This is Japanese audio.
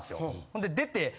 ほんで出て。